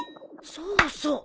そうそう。